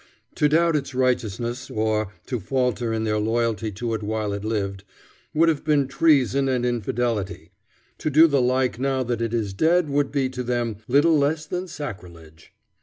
To doubt its righteousness, or to falter in their loyalty to it while it lived, would have been treason and infidelity; to do the like now that it is dead would be to them little less than sacrilege.